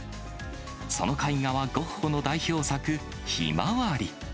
その絵画はゴッホの代表作、ひまわり。